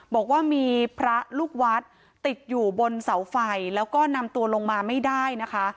บอกว่ามีพระลูกวัดติดอยู่บนเสาไฟแล้วก็นำตัวลงมาไม่ได้นะคะ